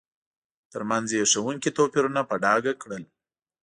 ترمنځ یې هیښوونکي توپیرونه په ډاګه کړل.